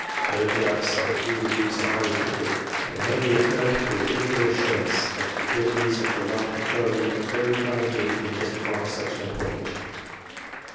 No doubt some few of the dukes are highly gifted, but it may be affirmed, with equal assurance, that the abilities of the large majority are very far indeed from justifying such an appointment.